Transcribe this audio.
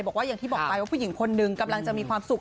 อย่างที่บอกไปว่าผู้หญิงคนหนึ่งกำลังจะมีความสุข